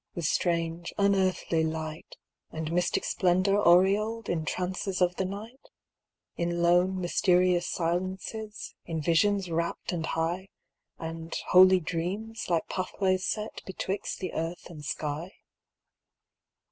With strange, unearthly light, And mystic splendor aureoled, In trances of the night ? In lone, mysterious silences, In visions rapt and high. And holy dreams, like pathways set Betwixt the earth and sky